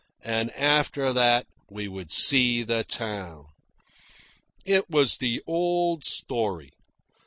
And after that we would see the town. It was the old story.